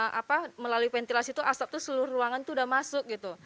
karena melalui ventilasi tuh asap seluruh ruangan tuh udah masuk gitu